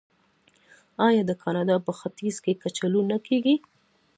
آیا د کاناډا په ختیځ کې کچالو نه کیږي؟